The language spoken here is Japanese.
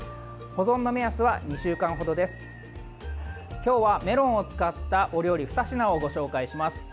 今日はメロンを使ったお料理２品をご紹介します。